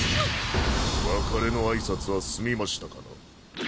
別れの挨拶は済みましたかな。